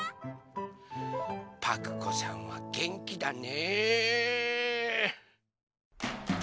パクこさんはげんきだね！